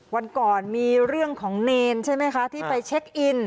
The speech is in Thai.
วันก่อนมีเรื่องของเนรใช่ไหมคะที่ไปเช็คอิน